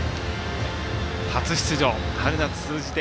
初出場、春夏通じて